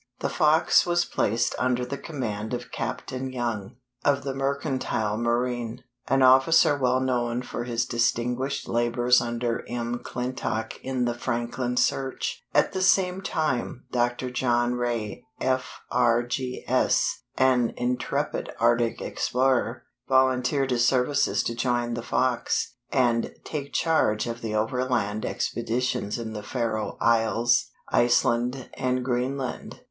The Fox was placed under the command of Captain Young, of the mercantile marine, an officer well known for his distinguished labors under M'Clintock in the Franklin search. At the same time, Dr. John Rae, F.R.G.S., an intrepid Arctic explorer, volunteered his services to join the Fox, and take charge of the overland expeditions in the Faroe Isles, Iceland, and Greenland.